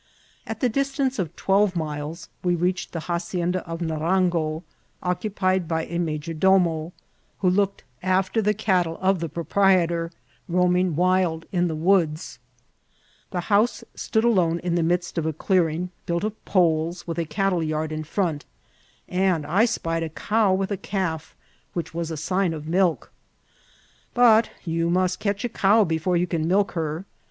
At the distance of twelve miles we reached the hacienda of Narango, occupied by a major domO| who looked after the cattle of the proprietor, roaming wild in the woods ; the house stood alone in the midst of a clearing, built of poles, with a cattle yard in front; and I spied a cow with a calf, which was a sign of milk. But you must catch a cow before you can milk her.